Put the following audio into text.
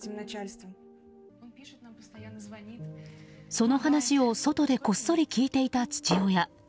その話を外でこっそり聞いていた父親。